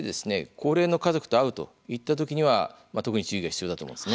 高齢の家族と会うといった時には特に注意が必要だと思うんです。